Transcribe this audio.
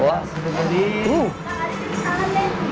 tidak ada kisah lagi